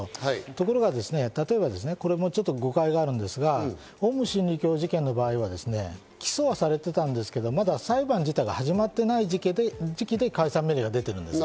ところがですね、これもちょっと誤解があるんですが、オウム真理教事件の場合は起訴されていたんですけれども、裁判自体が始まっていない時期で、解散命令が出ているんです。